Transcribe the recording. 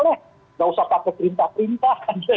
tidak usah pakai perintah perintah